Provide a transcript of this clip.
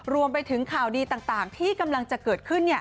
รวมไปถึงข่าวดีต่างที่กำลังจะเกิดขึ้น